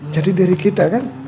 jati diri kita kan